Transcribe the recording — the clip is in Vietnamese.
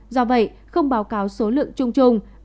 do vậy không báo cáo số lượng trùng trùng